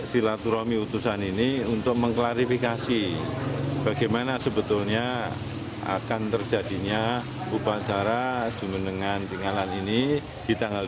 silaturahmi utusan ini untuk mengklarifikasi bagaimana sebetulnya akan terjadinya upacara jumenengan tinggalan ini di tanggal dua puluh